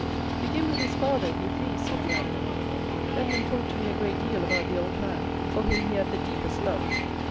"Begin with his father, if you please." said the abbé; "Edmond talked to me a great deal about the old man for whom he had the deepest love."